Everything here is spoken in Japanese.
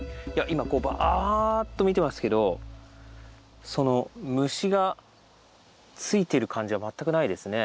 今こうバーッと見てますけどその虫がついてる感じは全くないですね。